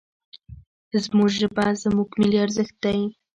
زموږ ژبه، زموږ ملي ارزښت دی.